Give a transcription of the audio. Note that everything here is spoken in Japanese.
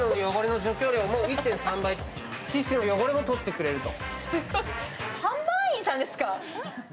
皮脂の汚れもとってくれると。